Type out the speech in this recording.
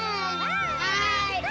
はい！